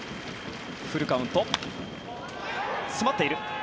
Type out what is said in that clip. フルカウント、詰まっている。